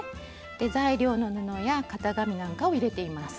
材料の布や型紙なんかを入れています。